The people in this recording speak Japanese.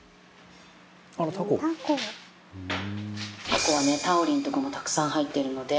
タコはタウリンとかもたくさん入っているので。